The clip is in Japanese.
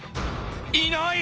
いない！